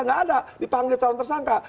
nggak ada dipanggil calon tersangka